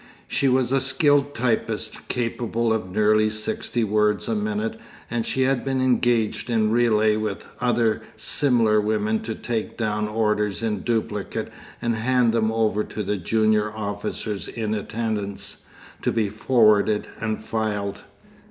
She was a skilled typist, capable of nearly sixty words a minute, and she had been engaged in relay with other similar women to take down orders in duplicate and hand them over to the junior officers in attendance, to be forwarded and filed.